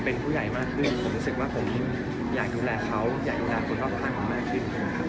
ผมเป็นผู้ใหญ่มากขึ้นผมรู้สึกว่าผมอยากดูแลเขาอยากดูแลคนรอบครั้งมากขึ้น